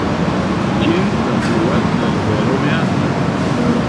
Ĝin trafluas la rivero Meandro.